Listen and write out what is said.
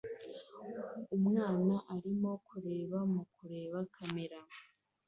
Umwana arimo kureba mu kureba kamera